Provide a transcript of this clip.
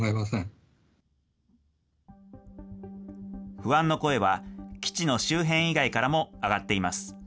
不安の声は基地の周辺以外からも上がっています。